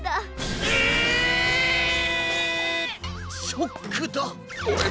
ショックだオレ